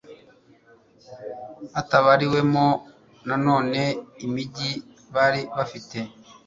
hatabariwemo nanone imigi bari bafite